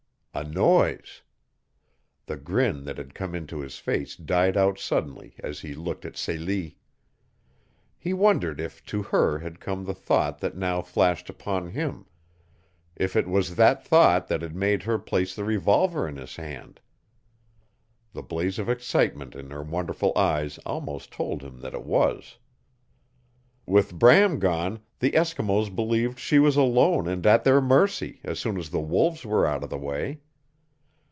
A noise! The grin that had come into his face died out suddenly as he looked at Celie. He wondered if to her had come the thought that now flashed upon him if it was that thought that had made her place the revolver in his hand. The blaze of excitement in her wonderful eyes almost told him that it was. With Bram gone, the Eskimos believed she was alone and at their mercy as soon as the wolves were out of the way.